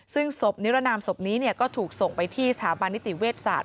ซึ่งศพนิรนามศพนี้ก็ถูกส่งไปที่สถาบันนิติเวชศาสต